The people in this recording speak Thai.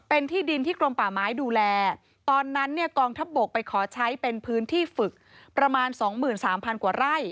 เป็นที่ดินที่กรมป่าไม้ดูแลตอนนั้นเนี่ยกองทัพบกไปขอใช้เป็นพื้นที่ฝึกประมาณสองหมื่นสามพันกว่าไร่